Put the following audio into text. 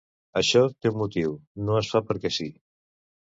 Això té un motiu, no es fa perquè sí.